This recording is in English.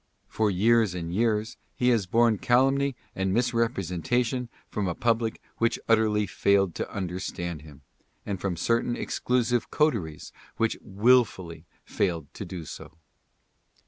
For years and years he has borne calumny and misrepresentation from a public which utterly failed to understand him, and from certain exclusive coteries which willfully failed to do so.